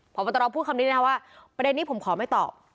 พบตรพูดคำนี้นะคะว่าประเด็นนี้ผมขอไม่ตอบ